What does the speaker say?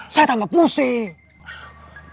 saya tambah pusing